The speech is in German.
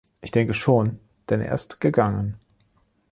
Ich denke schon, denn er ist gegangen.